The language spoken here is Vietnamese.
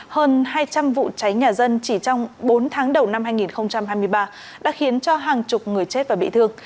hơn hai trăm linh vụ cháy nhà dân chỉ trong bốn tháng đầu năm hai nghìn hai mươi ba đã khiến cho hàng chục người chết và bị thương